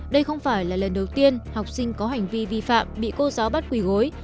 đây không phải là lần đầu tiên học sinh có hành vi vi phạm bị cô giáo bắt quỳ gối